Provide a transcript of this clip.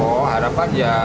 oh harapan ya